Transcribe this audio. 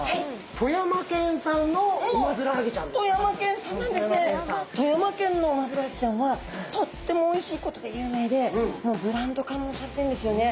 富山県のウマヅラハギちゃんはとってもおいしいことでゆうめいでもうブランドかもされてんですよね。